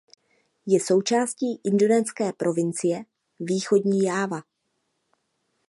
Je součástí indonéské provincie Východní Jáva.